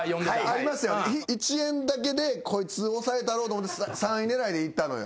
１円だけでこいつ抑えたろうと思って３位狙いでいったのよ。